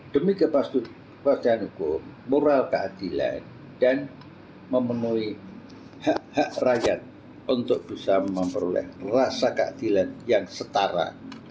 demi kepastian hukum moral keadilan dan memenuhi hak hak rakyat untuk bisa memperoleh rasa keadilan yang setara